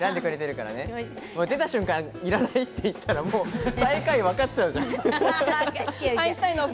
出た瞬間、いらないって言ったら、最下位わかっちゃうじゃん。